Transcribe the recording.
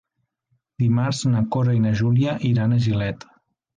Dimarts na Cora i na Júlia iran a Gilet.